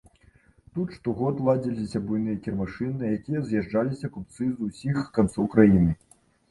Тут штогод ладзіліся буйныя кірмашы, на якія з'язджаліся купцы з усіх канцоў краіны.